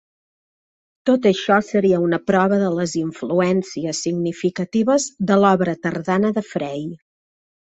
Tot això seria una prova de les influències significatives de l'obra tardana de Frey.